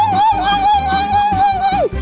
หง